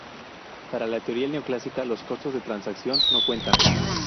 Para la teoría neoclásica los costos de transacción no cuentan.